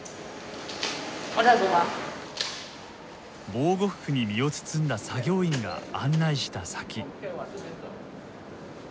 防護服に身を包んだ作業員が案内した先。